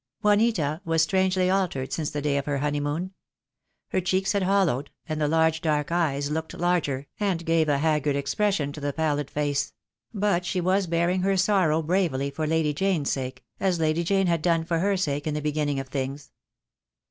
Juanita was strangely altered since the day of her honeymoon. Her cheeks had hollowed, and the large dark eyes looked larger, and gave a haggard expression to the pallid face; but she was bearing her sorrow bravely for Lady Jane's sake, as Lady Jane had done for her sake, in the beginning of things.